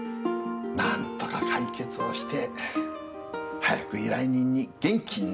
なんとか解決をして早く依頼人に元気になってもらいたい。